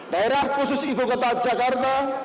daerah khusus ibu kota jakarta